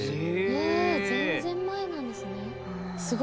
へえ全然前なんですね。